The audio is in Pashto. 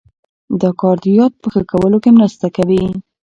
دا کار د یاد په ښه کولو کې مرسته کوي.